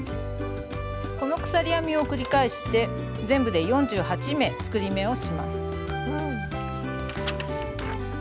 この鎖編みを繰り返して全部で４８目作り目をします。